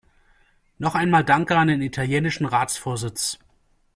Noch einmal Danke an den italienischen Ratsvorsitz.